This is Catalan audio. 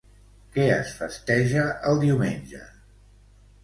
Què es festeja el diumenge?